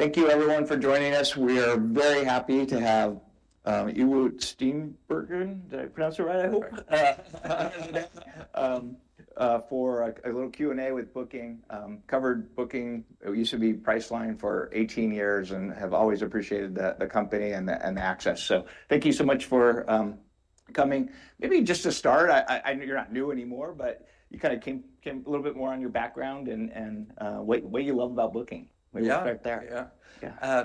Thank you, everyone, for joining us. We are very happy to have Ewout Steenbergen, did I pronounce it right, I hope? For a little Q&A with Booking, covered Booking, we used to be Priceline for 18 years and have always appreciated the company and the access. Thank you so much for coming. Maybe just to start, you're not new anymore, but you kind of came a little bit more on your background and what you love about Booking. Maybe we'll start there. Yeah.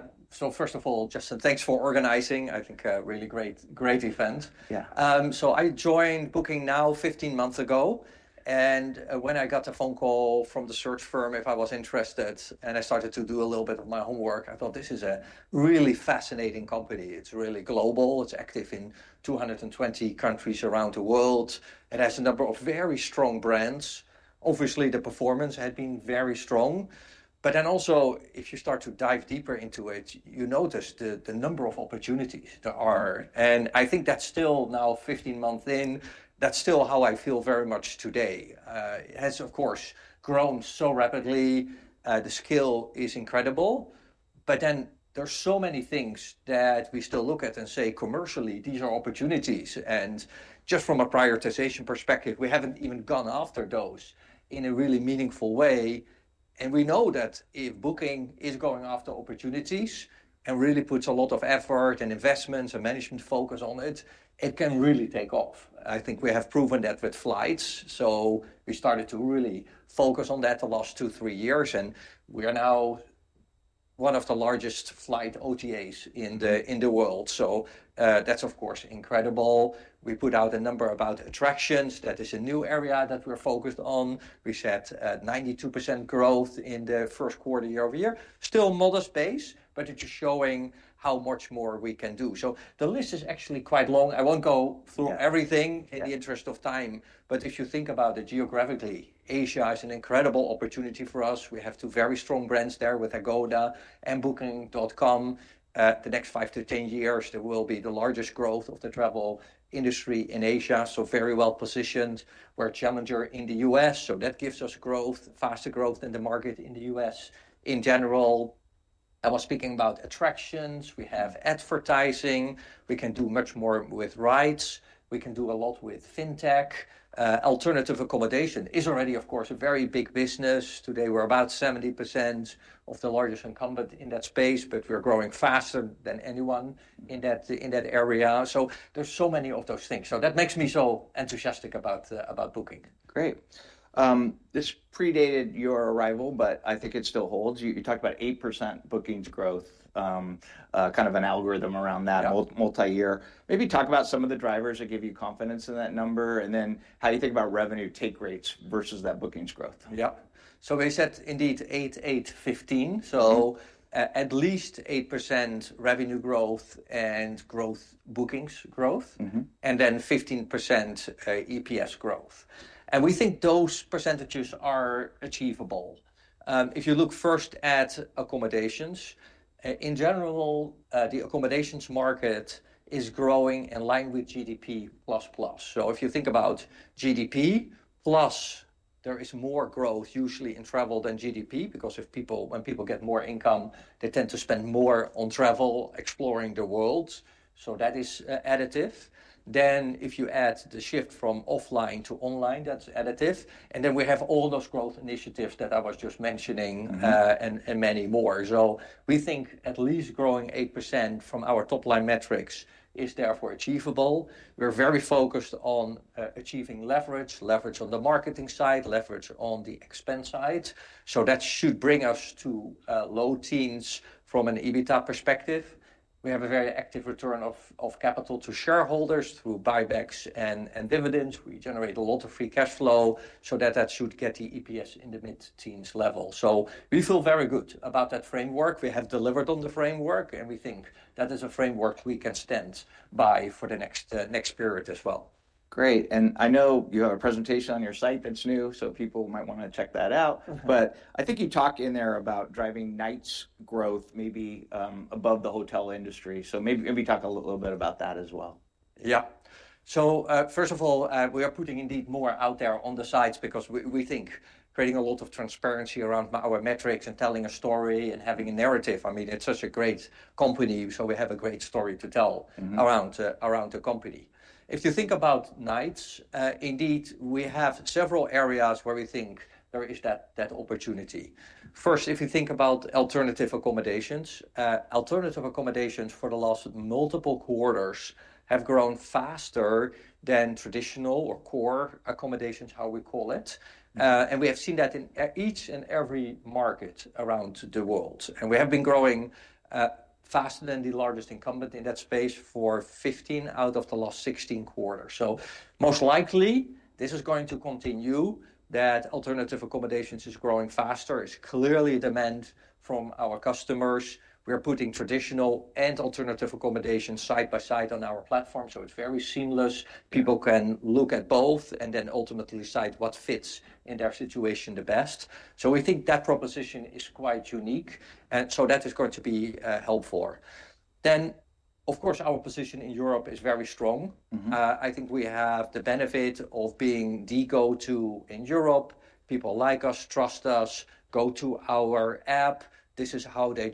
First of all, Justin, thanks for organizing. I think a really great event. I joined Booking 15 months ago, and when I got a phone call from the search firm if I was interested and I started to do a little bit of my homework, I thought, this is a really fascinating company. It's really global. It's active in 220 countries around the world. It has a number of very strong brands. Obviously, the performance had been very strong. If you start to dive deeper into it, you notice the number of opportunities there are. I think that's still now 15 months in, that's still how I feel very much today. It has, of course, grown so rapidly. The scale is incredible. There are so many things that we still look at and say, commercially, these are opportunities. Just from a prioritization perspective, we haven't even gone after those in a really meaningful way. We know that if Booking is going after opportunities and really puts a lot of effort and investments and management focus on it, it can really take off. I think we have proven that with flights. We started to really focus on that the last two, three years, and we are now one of the largest flight OTAs in the world. That is, of course, incredible. We put out a number about attractions. That is a new area that we're focused on. We said 92% growth in the first quarter year over year. Still modest base, but it's just showing how much more we can do. The list is actually quite long. I won't go through everything in the interest of time. If you think about it geographically, Asia is an incredible opportunity for us. We have two very strong brands there with Agoda and Booking.com. The next five to 10 years, there will be the largest growth of the travel industry in Asia. Very well positioned. We're a challenger in the U.S., so that gives us growth, faster growth than the market in the U.S. In general, I was speaking about attractions. We have advertising. We can do much more with rides. We can do a lot with fintech. Alternative accommodation is already, of course, a very big business. Today, we're about 70% of the largest incumbent in that space, but we're growing faster than anyone in that area. There are so many of those things. That makes me so enthusiastic about Booking. Great. This predated your arrival, but I think it still holds. You talked about 8% bookings growth, kind of an algorithm around that multi-year. Maybe talk about some of the drivers that give you confidence in that number, and then how you think about revenue take rates versus that bookings growth. Yep. They said indeed 8%, 8%, 15%. At least 8% revenue growth and bookings growth, and then 15% EPS growth. We think those percentages are achievable. If you look first at accommodations, in general, the accommodations market is growing in line with GDP plus plus. If you think about GDP plus, there is more growth usually in travel than GDP, because when people get more income, they tend to spend more on travel, exploring the world. That is additive. If you add the shift from offline to online, that's additive. We have all those growth initiatives that I was just mentioning and many more. We think at least growing 8% from our top-line metrics is therefore achievable. We're very focused on achieving leverage, leverage on the marketing side, leverage on the expense side. That should bring us to low teens from an EBITDA perspective. We have a very active return of capital to shareholders through buybacks and dividends. We generate a lot of free cash flow so that should get the EPS in the mid-teens level. We feel very good about that framework. We have delivered on the framework, and we think that is a framework we can stand by for the next period as well. Great. I know you have a presentation on your site that's new, so people might want to check that out. I think you talk in there about driving night's growth maybe above the hotel industry. Maybe talk a little bit about that as well. Yeah. First of all, we are putting indeed more out there on the sites because we think creating a lot of transparency around our metrics and telling a story and having a narrative. I mean, it's such a great company. We have a great story to tell around the company. If you think about nights, indeed, we have several areas where we think there is that opportunity. First, if you think about alternative accommodations, alternative accommodations for the last multiple quarters have grown faster than traditional or core accommodations, how we call it. We have seen that in each and every market around the world. We have been growing faster than the largest incumbent in that space for 15 out of the last 16 quarters. Most likely, this is going to continue, that alternative accommodations is growing faster. It's clearly demand from our customers. We are putting traditional and alternative accommodations side by side on our platform. It is very seamless. People can look at both and then ultimately decide what fits in their situation the best. We think that proposition is quite unique. That is going to be helpful. Of course, our position in Europe is very strong. I think we have the benefit of being the go-to in Europe. People like us, trust us, go to our app. This is how they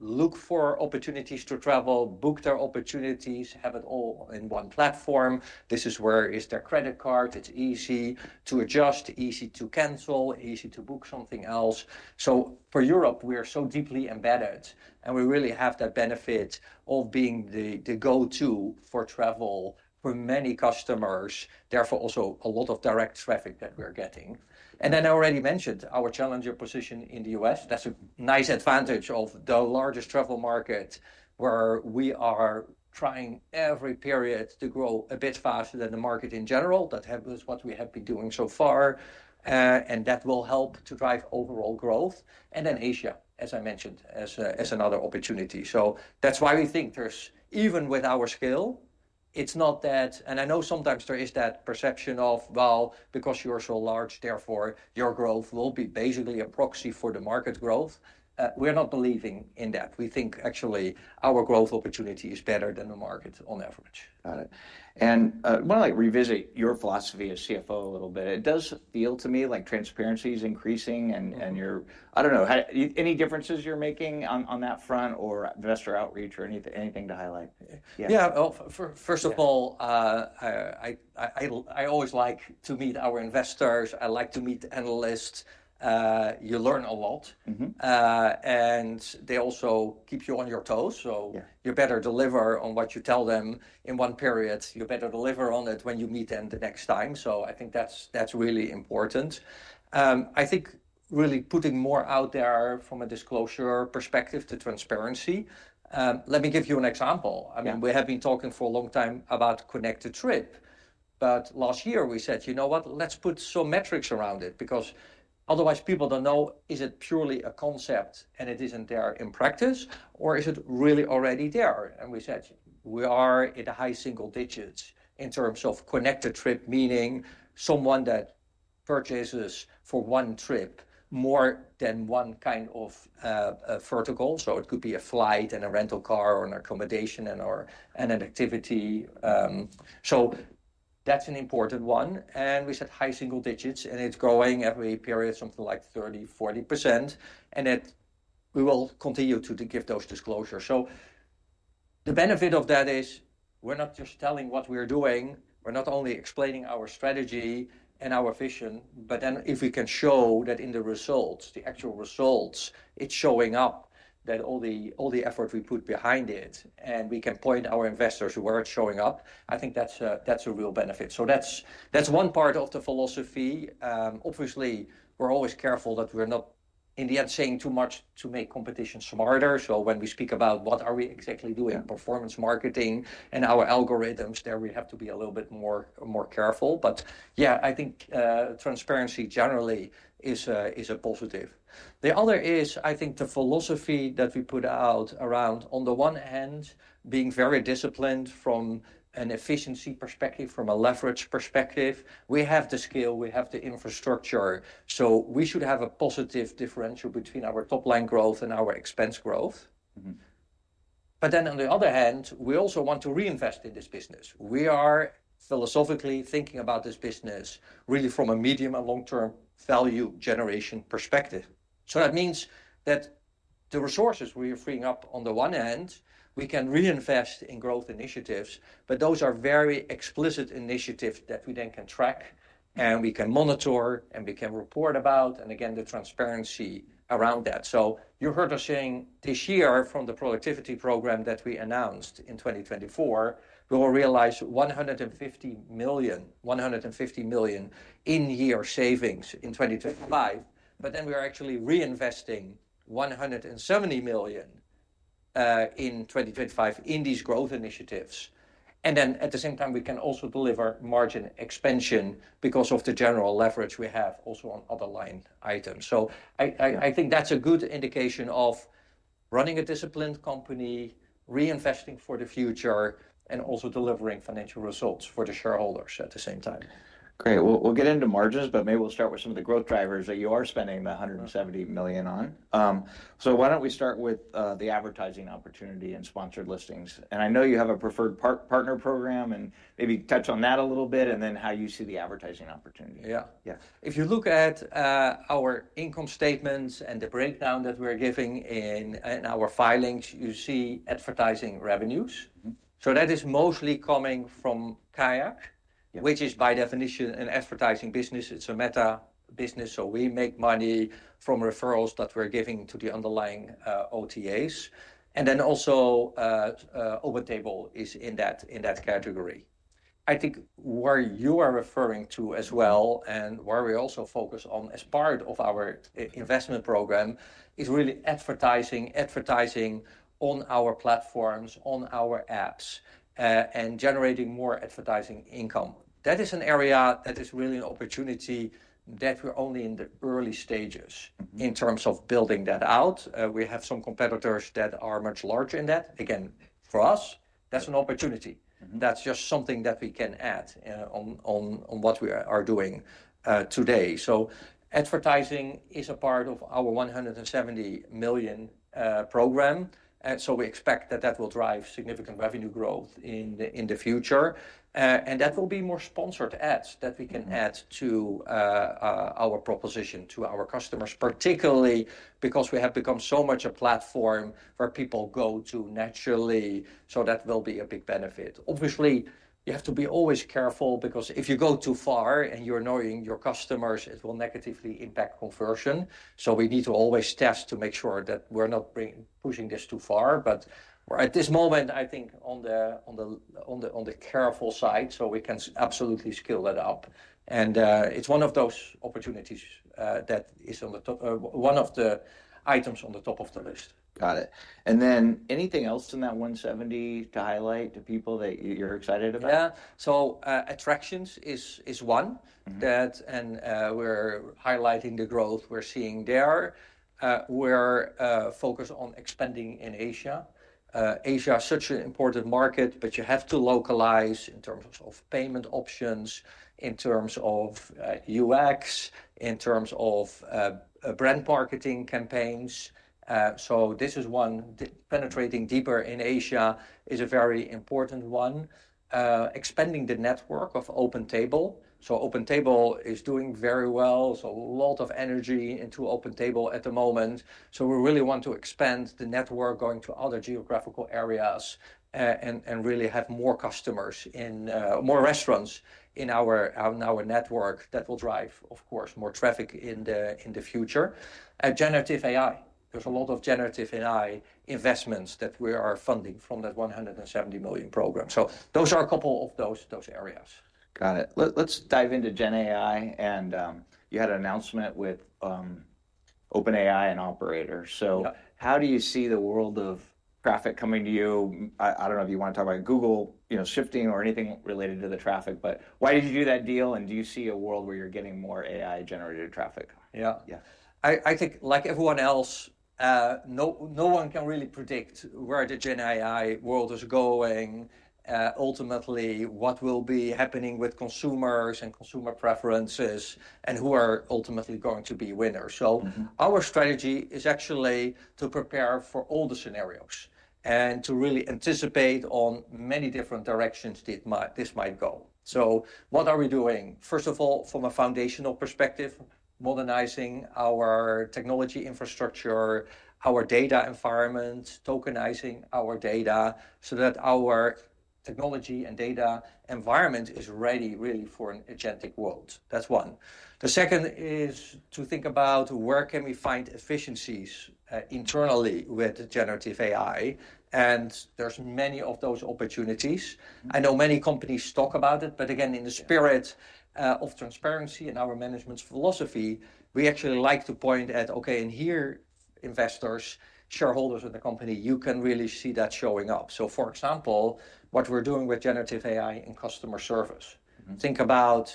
just look for opportunities to travel, book their opportunities, have it all in one platform. This is where their credit card is. It is easy to adjust, easy to cancel, easy to book something else. For Europe, we are so deeply embedded, and we really have that benefit of being the go-to for travel for many customers, therefore also a lot of direct traffic that we're getting. I already mentioned our challenger position in the U.S. That's a nice advantage of the largest travel market where we are trying every period to grow a bit faster than the market in general. That was what we have been doing so far, and that will help to drive overall growth. Asia, as I mentioned, as another opportunity. That's why we think there's, even with our scale, it's not that, and I know sometimes there is that perception of, well, because you're so large, therefore your growth will be basically a proxy for the market growth. We're not believing in that. We think actually our growth opportunity is better than the market on average. Got it. I want to revisit your philosophy as CFO a little bit. It does feel to me like transparency is increasing and you're, I don't know, any differences you're making on that front or investor outreach or anything to highlight? Yeah. First of all, I always like to meet our investors. I like to meet analysts. You learn a lot, and they also keep you on your toes. You better deliver on what you tell them in one period. You better deliver on it when you meet them the next time. I think that's really important. I think really putting more out there from a disclosure perspective to transparency. Let me give you an example. I mean, we have been talking for a long time about connected trip, but last year we said, you know what, let's put some metrics around it because otherwise people do not know, is it purely a concept and it is not there in practice, or is it really already there? We said we are at a high single digits in terms of connected trip, meaning someone that purchases for one trip more than one kind of vertical. It could be a flight and a rental car or an accommodation and an activity. That is an important one. We said high single digits and it is growing every period, something like 30%-40%. We will continue to give those disclosures. The benefit of that is we are not just telling what we are doing. We are not only explaining our strategy and our vision, but then if we can show that in the results, the actual results, it is showing up that all the effort we put behind it and we can point our investors where it is showing up, I think that is a real benefit. That is one part of the philosophy. Obviously, we're always careful that we're not in the end saying too much to make competition smarter. When we speak about what are we exactly doing, performance marketing and our algorithms, there we have to be a little bit more careful. Yeah, I think transparency generally is a positive. The other is, I think the philosophy that we put out around, on the one hand, being very disciplined from an efficiency perspective, from a leverage perspective. We have the skill, we have the infrastructure. We should have a positive differential between our top-line growth and our expense growth. On the other hand, we also want to reinvest in this business. We are philosophically thinking about this business really from a medium and long-term value generation perspective. That means that the resources we are freeing up, on the one hand, we can reinvest in growth initiatives, but those are very explicit initiatives that we then can track and we can monitor and we can report about. Again, the transparency around that. You heard us saying this year from the productivity program that we announced in 2024, we will realize $150 million in year savings in 2025. We are actually reinvesting $170 million in 2025 in these growth initiatives. At the same time, we can also deliver margin expansion because of the general leverage we have also on other line items. I think that's a good indication of running a disciplined company, reinvesting for the future, and also delivering financial results for the shareholders at the same time. Great. We'll get into margins, but maybe we'll start with some of the growth drivers that you are spending the $170 million on. Why don't we start with the advertising opportunity and sponsored listings? I know you have a preferred partner program and maybe touch on that a little bit and then how you see the advertising opportunity. Yeah. If you look at our income statements and the breakdown that we're giving in our filings, you see advertising revenues. That is mostly coming from KAYAK, which is by definition an advertising business. It is a Meta business. We make money from referrals that we're giving to the underlying OTAs. Also, OpenTable is in that category. I think where you are referring to as well and where we also focus on as part of our investment program is really advertising on our platforms, on our apps, and generating more advertising income. That is an area that is really an opportunity that we're only in the early stages in terms of building that out. We have some competitors that are much larger in that. Again, for us, that's an opportunity. That's just something that we can add on what we are doing today. Advertising is a part of our $170 million program. We expect that will drive significant revenue growth in the future. That will be more sponsored ads that we can add to our proposition to our customers, particularly because we have become so much a platform where people go to naturally. That will be a big benefit. Obviously, you have to be always careful because if you go too far and you are annoying your customers, it will negatively impact conversion. We need to always test to make sure that we are not pushing this too far. At this moment, I think on the careful side, we can absolutely scale that up. It is one of those opportunities that is one of the items on the top of the list. Got it. And then anything else in that $170 million to highlight to people that you're excited about? Yeah. Attractions is one. We're highlighting the growth we're seeing there. We're focused on expanding in Asia. Asia is such an important market, but you have to localize in terms of payment options, in terms of UX, in terms of brand marketing campaigns. This is one. Penetrating deeper in Asia is a very important one. Expanding the network of OpenTable. OpenTable is doing very well. A lot of energy into OpenTable at the moment. We really want to expand the network, going to other geographical areas and really have more customers, more restaurants in our network. That will drive, of course, more traffic in the future. Generative AI. There's a lot of generative AI investments that we are funding from that $170 million program. Those are a couple of those areas. Got it. Let's dive into Gen AI. You had an announcement with OpenAI and Operator. How do you see the world of traffic coming to you? I don't know if you want to talk about Google shifting or anything related to the traffic, but why did you do that deal? Do you see a world where you're getting more AI-generated traffic? Yeah. I think like everyone else, no one can really predict where the Gen AI world is going. Ultimately, what will be happening with consumers and consumer preferences and who are ultimately going to be winners. Our strategy is actually to prepare for all the scenarios and to really anticipate on many different directions this might go. What are we doing? First of all, from a foundational perspective, modernizing our technology infrastructure, our data environment, tokenizing our data so that our technology and data environment is ready really for an agentic world. That's one. The second is to think about where can we find efficiencies internally with generative AI. There's many of those opportunities. I know many companies talk about it, but again, in the spirit of transparency and our management's philosophy, we actually like to point at, okay, in here, investors, shareholders of the company, you can really see that showing up. For example, what we're doing with generative AI in customer service. Think about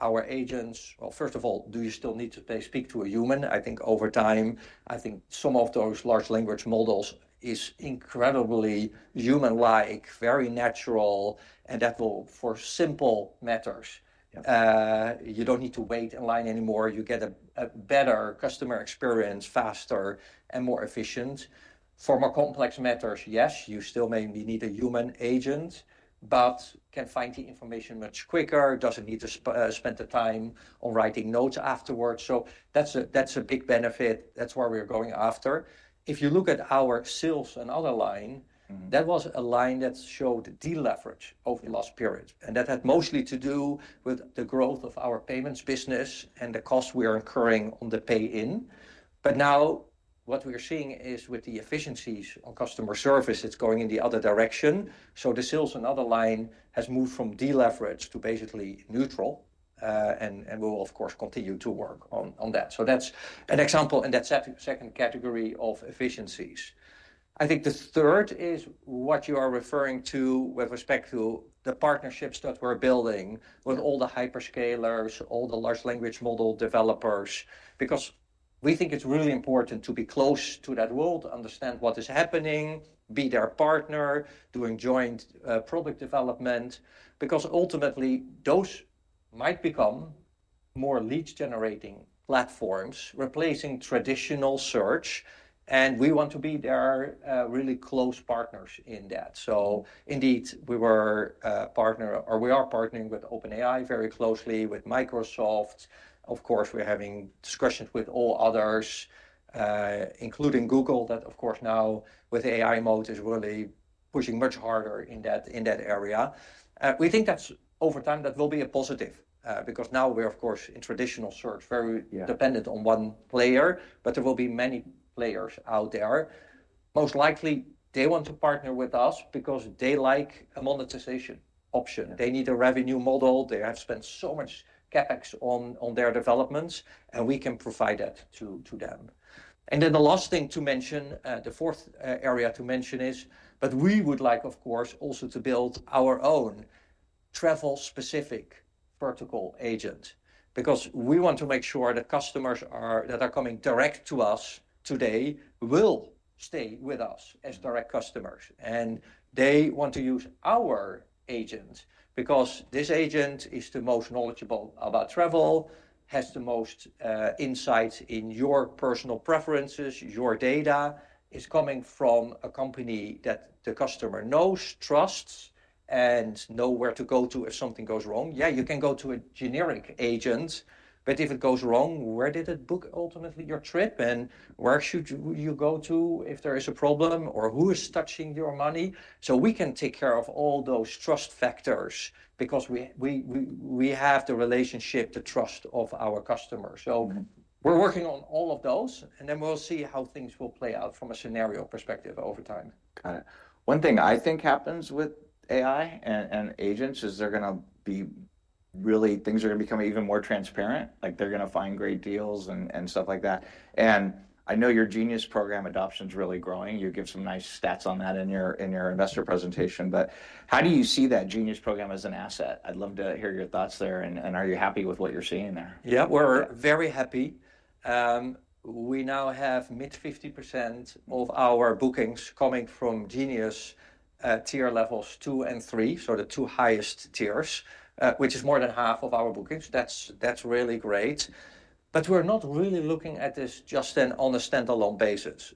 our agents. First of all, do you still need to speak to a human? I think over time, I think some of those large language models are incredibly human-like, very natural, and that will for simple matters. You don't need to wait in line anymore. You get a better customer experience faster and more efficient. For more complex matters, yes, you still may need a human agent, but can find the information much quicker, doesn't need to spend the time on writing notes afterwards. That's a big benefit. That's where we're going after. If you look at our sales and other line, that was a line that showed de-leverage over the last period. That had mostly to do with the growth of our payments business and the cost we are incurring on the pay-in. Now what we're seeing is with the efficiencies on customer service, it's going in the other direction. The sales and other line has moved from de-leverage to basically neutral. We will, of course, continue to work on that. That's an example and that's a second category of efficiencies. I think the third is what you are referring to with respect to the partnerships that we're building with all the hyperscalers, all the large language model developers, because we think it's really important to be close to that world, understand what is happening, be their partner, doing joint product development, because ultimately those might become more leads-generating platforms replacing traditional search. We want to be their really close partners in that. Indeed, we were a partner or we are partnering with OpenAI very closely with Microsoft. Of course, we're having discussions with all others, including Google that, of course, now with AI mode is really pushing much harder in that area. We think that over time that will be a positive because now we're, of course, in traditional search, very dependent on one player, but there will be many players out there. Most likely they want to partner with us because they like a monetization option. They need a revenue model. They have spent so much CapEx on their developments and we can provide that to them. The last thing to mention, the fourth area to mention is, we would like, of course, also to build our own travel-specific vertical agent because we want to make sure that customers that are coming direct to us today will stay with us as direct customers. They want to use our agent because this agent is the most knowledgeable about travel, has the most insight in your personal preferences, your data is coming from a company that the customer knows, trusts, and knows where to go to if something goes wrong. Yeah, you can go to a generic agent, but if it goes wrong, where did it book ultimately your trip and where should you go to if there is a problem or who is touching your money? We can take care of all those trust factors because we have the relationship, the trust of our customers. We are working on all of those and then we will see how things will play out from a scenario perspective over time. Got it. One thing I think happens with AI and agents is they're going to be really, things are going to become even more transparent. Like they're going to find great deals and stuff like that. I know your Genius program adoption is really growing. You give some nice stats on that in your investor presentation. How do you see that Genius program as an asset? I'd love to hear your thoughts there. Are you happy with what you're seeing there? Yeah, we're very happy. We now have mid 50% of our bookings coming from Genius tier levels two and three, so the two highest tiers, which is more than half of our bookings. That's really great. We're not really looking at this just then on a standalone basis.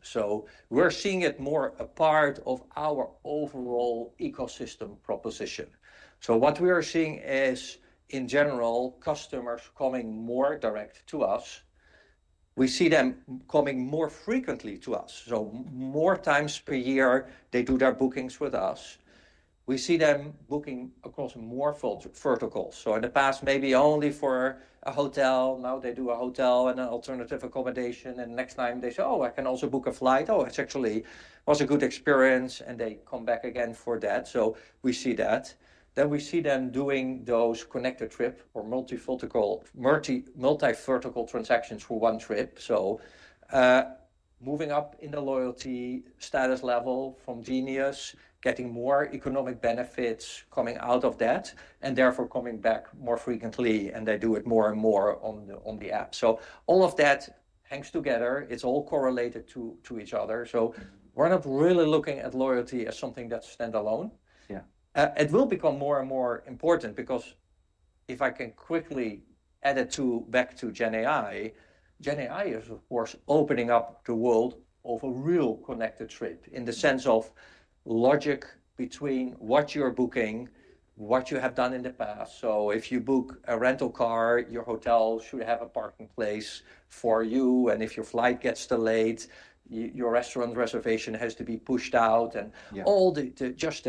We're seeing it more a part of our overall ecosystem proposition. What we are seeing is in general, customers coming more direct to us. We see them coming more frequently to us. More times per year, they do their bookings with us. We see them booking across more verticals. In the past, maybe only for a hotel, now they do a hotel and an alternative accommodation. Next time they say, "Oh, I can also book a flight. Oh, it actually was a good experience." They come back again for that. We see that. We see them doing those connected trip or multi-vertical transactions for one trip. Moving up in the loyalty status level from Genius, getting more economic benefits coming out of that and therefore coming back more frequently. They do it more and more on the app. All of that hangs together. It's all correlated to each other. We're not really looking at loyalty as something that's standalone. Yeah, it will become more and more important because if I can quickly add it back to Gen AI, Gen AI is, of course, opening up the world of a real connected trip in the sense of logic between what you're booking, what you have done in the past. If you book a rental car, your hotel should have a parking place for you. If your flight gets delayed, your restaurant reservation has to be pushed out. All just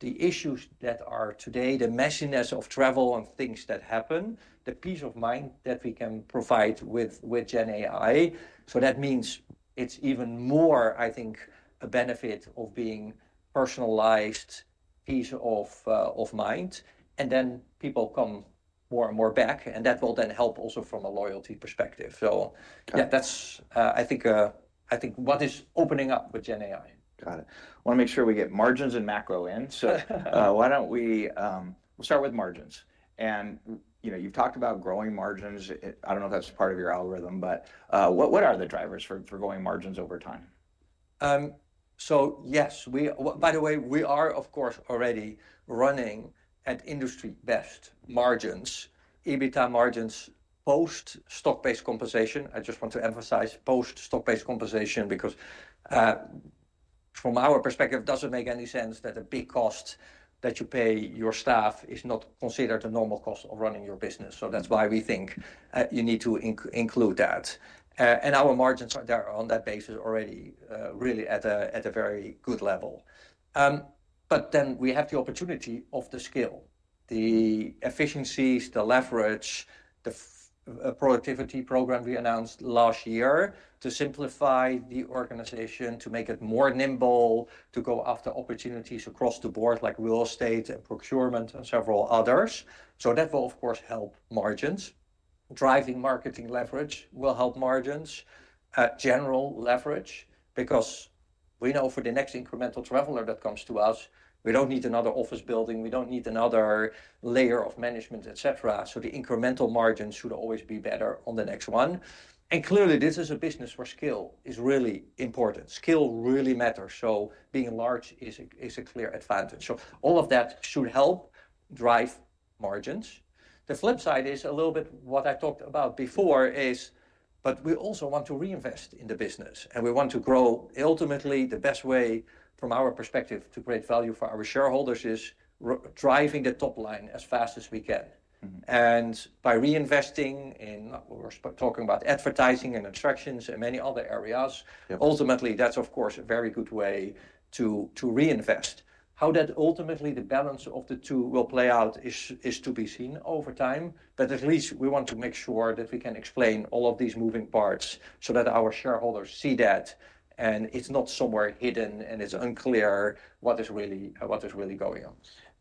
the issues that are today, the messiness of travel and things that happen, the peace of mind that we can provide with Gen AI. That means it's even more, I think, a benefit of being personalized peace of mind. People come more and more back. That will then help also from a loyalty perspective. That's, I think, what is opening up with Gen AI. Got it. I want to make sure we get margins and macro in. Why don't we start with margins? You've talked about growing margins. I don't know if that's part of your algorithm, but what are the drivers for growing margins over time? Yes, by the way, we are of course already running at industry best margins, EBITDA margins post stock-based compensation. I just want to emphasize post stock-based compensation because from our perspective, it doesn't make any sense that a big cost that you pay your staff is not considered a normal cost of running your business. That is why we think you need to include that. Our margins are there on that basis already really at a very good level. We have the opportunity of the scale, the efficiencies, the leverage, the productivity program we announced last year to simplify the organization, to make it more nimble, to go after opportunities across the board like real estate and procurement and several others. That will of course help margins. Driving marketing leverage will help margins, general leverage because we know for the next incremental traveler that comes to us, we do not need another office building, we do not need another layer of management, et cetera. The incremental margins should always be better on the next one. Clearly this is a business where scale is really important. Scale really matters. Being large is a clear advantage. All of that should help drive margins. The flip side is a little bit what I talked about before, but we also want to reinvest in the business and we want to grow. Ultimately the best way from our perspective to create value for our shareholders is driving the top line as fast as we can. By reinvesting in, we are talking about advertising and attractions and many other areas. Ultimately that is of course a very good way to reinvest. How that ultimately the balance of the two will play out is to be seen over time, but at least we want to make sure that we can explain all of these moving parts so that our shareholders see that and it's not somewhere hidden and it's unclear what is really going on.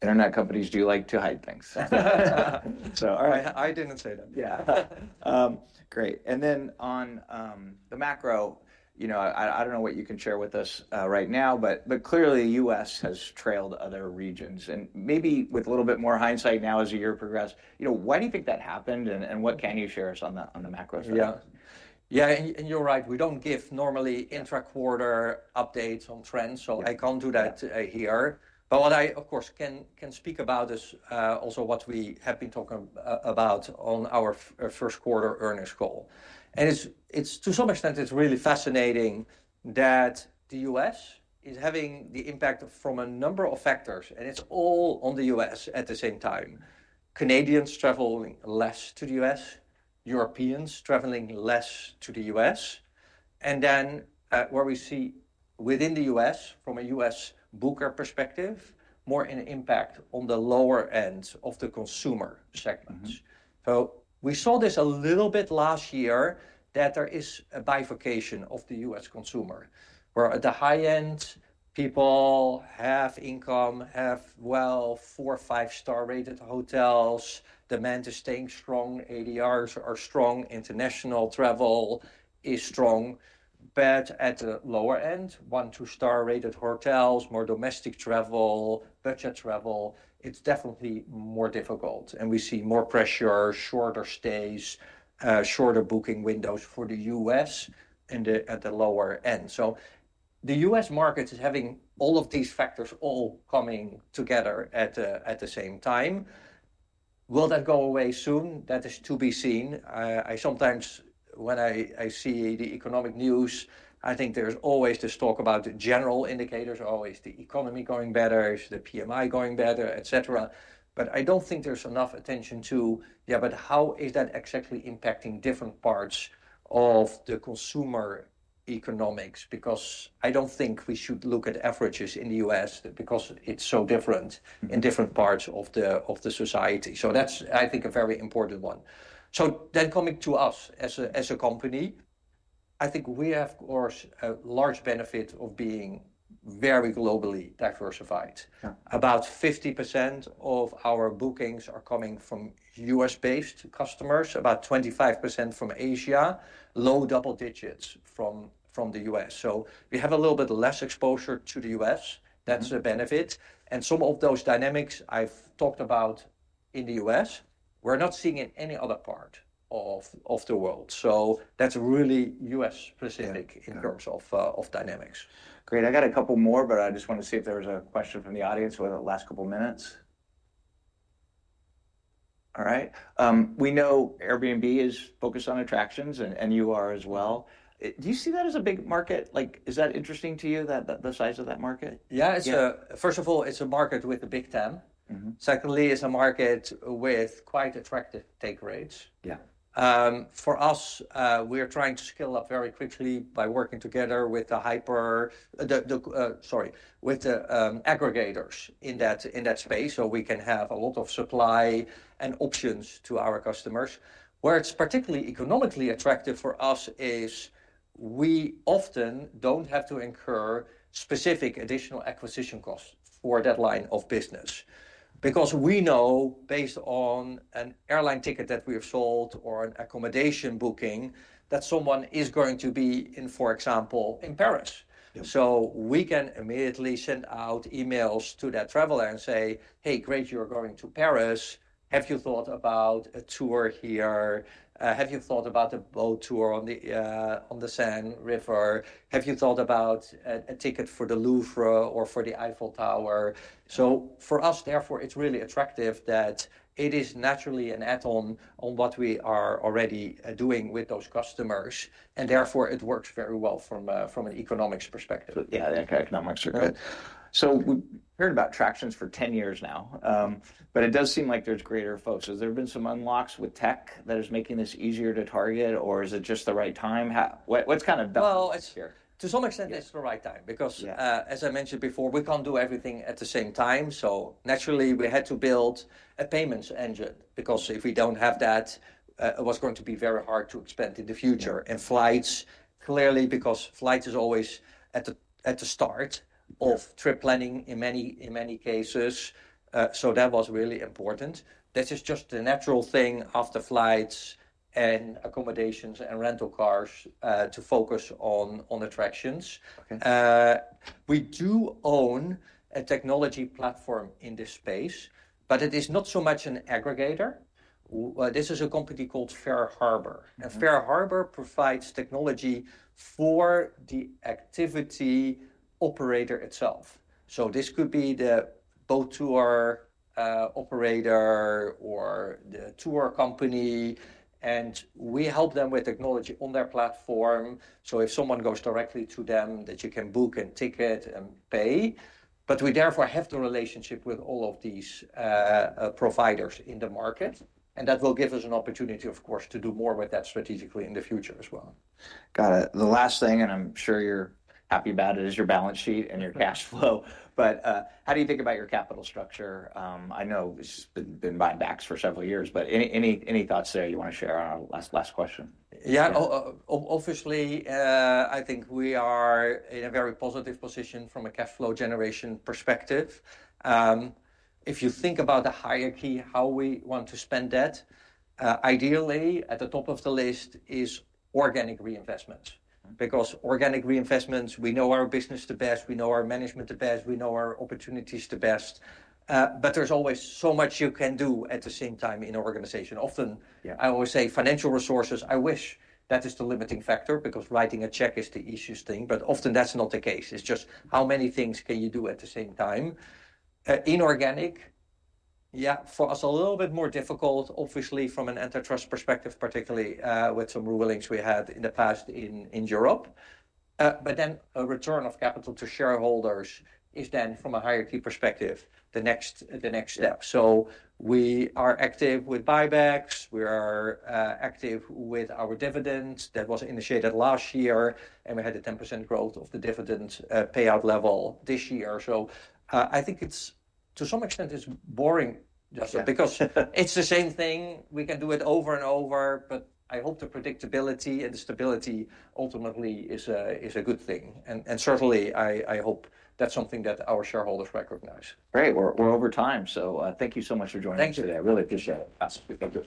Internet companies do like to hide things. All right, I didn't say that. Yeah. Great. And then on the macro, you know I don't know what you can share with us right now, but clearly the U.S. has trailed other regions and maybe with a little bit more hindsight now as the year progresses. Why do you think that happened and what can you share us on the macro side? Yeah, yeah, and you're right. We don't give normally intra-quarter updates on trends. I can't do that here. What I of course can speak about is also what we have been talking about on our first quarter earnings call. To some extent, it's really fascinating that the U.S. is having the impact from a number of factors and it's all on the U.S. at the same time. Canadians traveling less to the U.S., Europeans traveling less to the U.S. Where we see within the U.S. from a U.S. booker perspective, more an impact on the lower end of the consumer segments. We saw this a little bit last year that there is a bifurcation of the U.S. consumer where at the high end, people have income, have, well, four, five-star rated hotels. Demand is staying strong. ADRs are strong. International travel is strong. At the lower end, one, two-star rated hotels, more domestic travel, budget travel, it's definitely more difficult. We see more pressure, shorter stays, shorter booking windows for the U.S. and at the lower end. The U.S. market is having all of these factors all coming together at the same time. Will that go away soon? That is to be seen. I sometimes when I see the economic news, I think there's always this talk about the general indicators, always the economy going better, the PMI going better, et cetera. I don't think there's enough attention to, yeah, but how is that exactly impacting different parts of the consumer economics? I don't think we should look at averages in the U.S. because it's so different in different parts of the society. That's I think a very important one. Then coming to us as a company, I think we have of course a large benefit of being very globally diversified. About 50% of our bookings are coming from U.S.-based customers, about 25% from Asia, low double digits from Europe. We have a little bit less exposure to the U.S. That's a benefit. Some of those dynamics I've talked about in the U.S., we're not seeing in any other part of the world. That's really U.S.-specific in terms of dynamics. Great. I got a couple more, but I just want to see if there was a question from the audience with the last couple of minutes. All right. We know Airbnb is focused on attractions and you are as well. Do you see that as a big market? Is that interesting to you, the size of that market? Yeah, first of all, it's a market with a big tent. Secondly, it's a market with quite attractive take rates. Yeah, for us, we are trying to scale up very quickly by working together with the hyper, sorry, with the aggregators in that space so we can have a lot of supply and options to our customers. Where it's particularly economically attractive for us is we often don't have to incur specific additional acquisition costs for that line of business because we know based on an airline ticket that we have sold or an accommodation booking that someone is going to be in, for example, in Paris. So we can immediately send out emails to that traveler and say, "Hey, great, you're going to Paris. Have you thought about a tour here? Have you thought about a boat tour on the Seine River? Have you thought about a ticket for the Louvre or for the Eiffel Tower? For us, therefore, it's really attractive that it is naturally an add-on on what we are already doing with those customers. Therefore, it works very well from an economics perspective. Yeah, economics are good. So we've heard about attractions for 10 years now, but it does seem like there's greater focus. Has there been some unlocks with tech that is making this easier to target, or is it just the right time? What's kind of the... To some extent, it's the right time because as I mentioned before, we can't do everything at the same time. Naturally, we had to build a payments engine because if we don't have that, it was going to be very hard to expand in the future and flights clearly because flights is always at the start of trip planning in many cases. That was really important. This is just the natural thing after flights and accommodations and rental cars to focus on attractions. We do own a technology platform in this space, but it is not so much an aggregator. This is a company called FareHarbor. FareHarbor provides technology for the activity operator itself. This could be the boat tour operator or the tour company. We help them with technology on their platform. If someone goes directly to them, that you can book and ticket and pay. We therefore have the relationship with all of these providers in the market. That will give us an opportunity, of course, to do more with that strategically in the future as well. Got it. The last thing, and I'm sure you're happy about it, is your balance sheet and your cash flow. How do you think about your capital structure? I know this has been buying backs for several years, but any thoughts there you want to share on our last question? Yeah, obviously, I think we are in a very positive position from a cash flow generation perspective. If you think about the hierarchy, how we want to spend that, ideally at the top of the list is organic reinvestments because organic reinvestments, we know our business the best, we know our management the best, we know our opportunities the best. There is always so much you can do at the same time in an organization. Often I always say financial resources, I wish that is the limiting factor because writing a check is the easiest thing, but often that is not the case. It is just how many things can you do at the same time? Inorganic, yeah, for us a little bit more difficult, obviously from an antitrust perspective, particularly with some rulings we had in the past in Europe. Then a return of capital to shareholders is then from a hierarchy perspective, the next step. We are active with buybacks. We are active with our dividends that was initiated last year. We had a 10% growth of the dividend payout level this year. I think to some extent, it's boring just because it's the same thing. We can do it over and over, but I hope the predictability and the stability ultimately is a good thing. Certainly, I hope that's something that our shareholders recognize. Great. We're over time. Thank you so much for joining us today. I really appreciate it. Thank you.